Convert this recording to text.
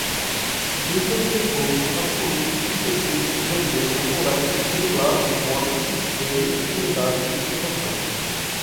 vibram, repouso, absoluto, sucessivas, grandeza, moléculas, driblar, vórtices, leme, extremidade, sustentação